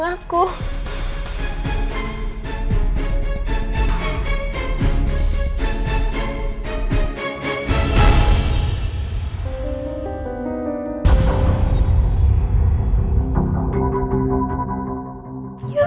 ibu kandung aku